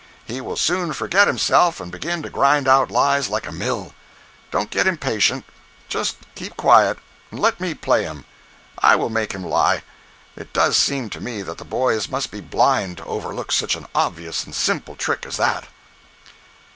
He will soon forget himself and begin to grind out lies like a mill. Don't get impatient—just keep quiet, and let me play him. I will make him lie. It does seem to me that the boys must be blind to overlook such an obvious and simple trick as that."